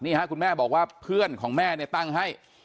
คุณแม่บอกว่าเพื่อนของแม่เนี่ยตั้งให้